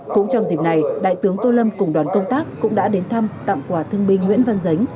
cũng trong dịp này đại tướng tô lâm cùng đoàn công tác cũng đã đến thăm tặng quà thương binh nguyễn văn dính